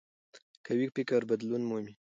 قوي فکر بدلون مني